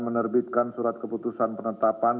menerbitkan surat keputusan penetapan